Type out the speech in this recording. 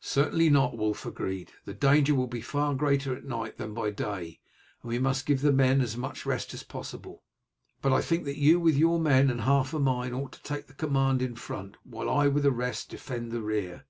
"Certainly not," Wulf agreed. "The danger will be far greater at night than by day, and we must give the men as much rest as possible. But I think that you with your men and half of mine ought to take the command in front, while I with the rest defend the rear."